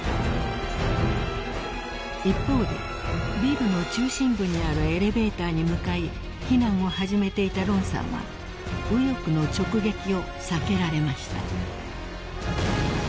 ［一方でビルの中心部にあるエレベーターに向かい避難を始めていたロンさんは右翼の直撃を避けられました］